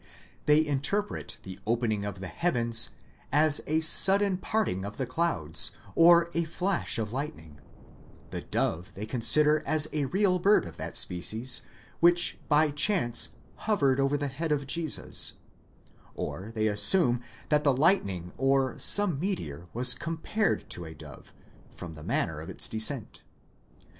They interpret the opening of the heavens, as a sudden parting of the clouds, or a flash of lightning ; the dove they consider as a real bird of that species, which by chance hovered over the head of Jesus ; or they assume that the lightning or some meteor was compared to a dove, from the manner of its descent.